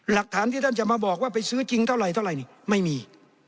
หลักฐานที่ด้านจะมาบอกว่าไปซื้อจริงเท่าไรไม่มี